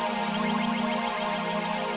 terima kasih ya allah